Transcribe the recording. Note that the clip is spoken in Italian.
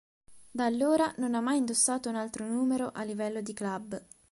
Da allora non ha mai indossato un altro numero a livello di club.